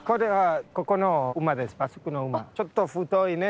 ちょっと太いね。